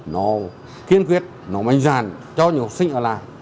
nó kiên quyết nó mạnh dạn cho những học sinh ở lại